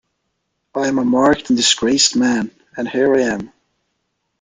I am a marked and disgraced man, and here I am.